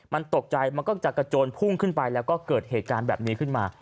มันตกใจมันก็จะกระโจนพุ่งขึ้นไปแล้วก็เกิดเหตุการณ์แบบนี้ขึ้นมา